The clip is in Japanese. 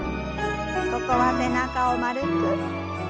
ここは背中を丸く。